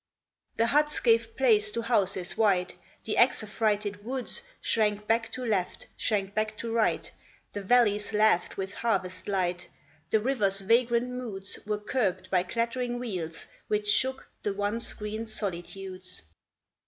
The huts gave place to houses white ; The axe affrighted woods Shrank back to left, shrank back to right ; The valleys laughed with harvest light ; The river s vagrant moods Were curbed by clattering wheels, which shook The once green solitudes.